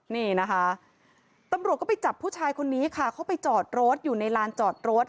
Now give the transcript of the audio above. นี่นะคะตำรวจก็ไปจับผู้ชายคนนี้ค่ะเขาไปจอดรถอยู่ในลานจอดรถ